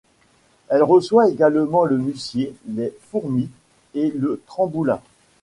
Elle reçoit également le Mussier, Les Fourmis et le Tramboulin.